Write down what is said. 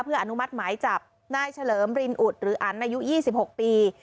เพื่ออนุมัติหมายจับนายเฉลิมรินอุดหรืออันอายุ๒๖ปี